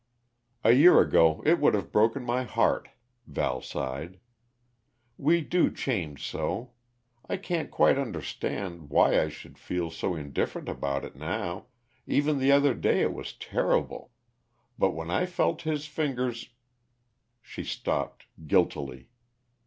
"A year ago it would have broken my heart," Val sighed. "We do change so! I can't quite understand Why I should feel so indifferent about it now; even the other day it was terrible. But when I felt his fingers " she stopped guiltily.